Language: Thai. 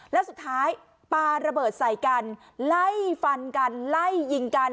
แล้วสุดท้ายปลาระเบิดใส่กันไล่ฟันกันไล่ยิงกัน